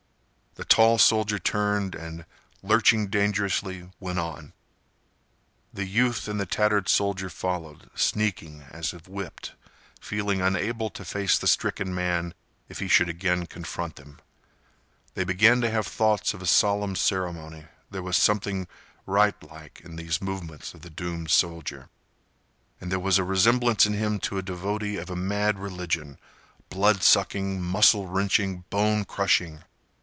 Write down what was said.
The tall soldier turned and, lurching dangerously, went on. The youth and the tattered soldier followed, sneaking as if whipped, feeling unable to face the stricken man if he should again confront them. They began to have thoughts of a solemn ceremony. There was something rite like in these movements of the doomed soldier. And there was a resemblance in him to a devotee of a mad religion, blood sucking, muscle wrenching, bone crushing.